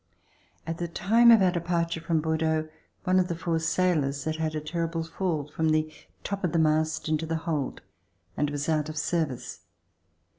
At the time of our departure from Bordeaux, one of the four sailors had had a terrible fall from the top of the mast into the hold and was out of service.